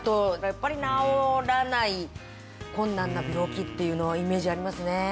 やっぱり治らない困難な病気っていうのはイメージありますね